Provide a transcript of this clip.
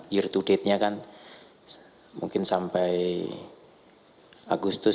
year to date nya kan mungkin sampai agustus